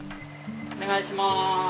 お願いしまーす。